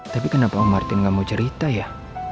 tapi kenapa martin gak mau cerita ya